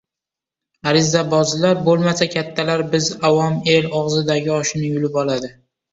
Arizabozlar bo‘lmasa, kattalar biz avom el og‘zidagi oshni yulib oladi!